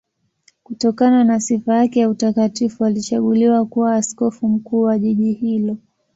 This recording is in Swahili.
Kutokana na sifa yake ya utakatifu alichaguliwa kuwa askofu mkuu wa jiji hilo.